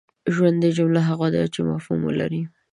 ژوندۍ جمله هغه ده چي مفهوم ولري.